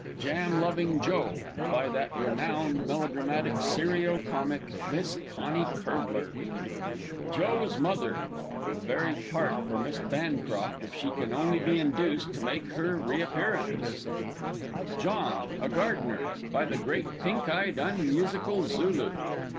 Jam Loving Joe. By that renowned Melodramatic Serio Comic, Miss CONNIE CURDLER. Joe's Mother (the very part for Mrs. BANCROFT if she can only be induced to make her reappearance). John, a Gardener. By the great Pink eyed Unmusical Zulu.